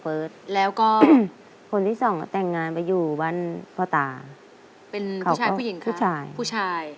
ผู้หญิงแม่ไฟ่กะเฟิรต